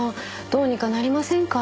どうにかなりませんか？